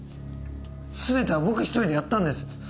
すべては僕１人でやったんです。